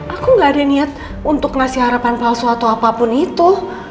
aku gak ada niat untuk ngasih harapan palsu atau apapun itu